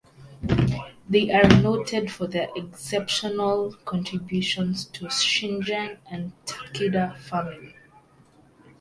They are noted for their exceptional contributions to Shingen and the Takeda family.